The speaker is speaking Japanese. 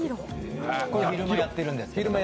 昼間やってるんですけど。